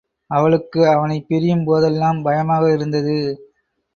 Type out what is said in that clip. அவளுக்கு அவனைப் பிரியும் போதெல்லாம் பயமாக இருந்தது.